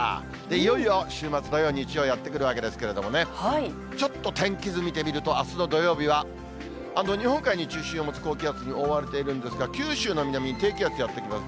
いよいよ週末、土曜、日曜やってくるわけですけれどもね、ちょっと天気図見てみると、あすの土曜日は、日本海に中心を持つ高気圧に覆われているんですが、九州の南に低気圧やって来ます。